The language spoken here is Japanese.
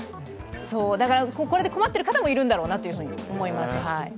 だからこれで困ってる方もいるんだろうなと思います。